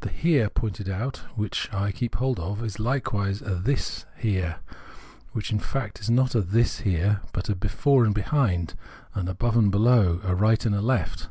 The Here poiuted out, which I keep hold of, is hkewise a this Here which, in fact, is not this Here, but a Before and Behind, an Above and Below, a Eight and Left.